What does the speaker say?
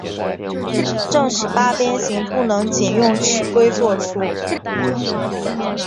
正十八边形不能仅用尺规作出。